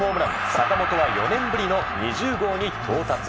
坂本は４年ぶりの２０号に到達。